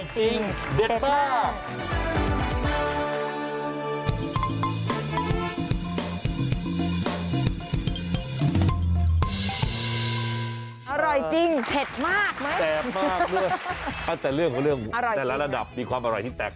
แตกมากแต่เรื่องแต่ละระดับมีความอร่อยที่แตก